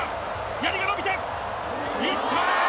やりが伸びて、いった！